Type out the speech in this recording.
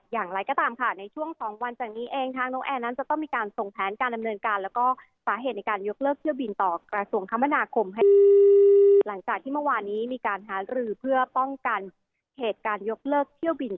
หลังจากที่เมื่อวานนี้มีการหารือเพื่อป้องกันเหตุการณ์ยกเลิกเที่ยวบิน